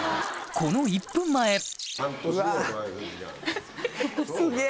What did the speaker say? この１分前うわ。